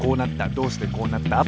どうしてこうなった？